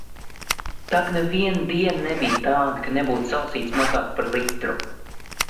Tak neviena diena nebija tāda, ka nebūtu salasījis mazāk par litru.